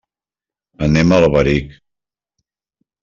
Anem a Alberic.